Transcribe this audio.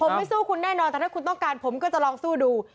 ผมไม่สู้คุณแน่นอนแต่ถ้าคุณต้องการผมก็จะลองสู้ดู